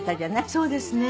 そうですね。